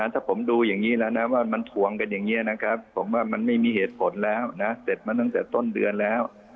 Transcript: ถ้าผมดูอย่างนี้แล้วนะว่ามันทวงกันอย่างนี้นะครับผมว่ามันไม่มีเหตุผลแล้วนะเสร็จมาตั้งแต่ต้นเดือนแล้ว